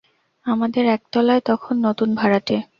আমাদের একতলায় তখন নতুন ভাড়াটে।